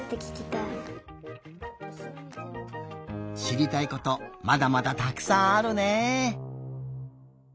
しりたいことまだまだたくさんあるね。